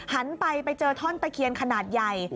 หันไปไปเจอท่อนตะเคียนขนาดใหญ่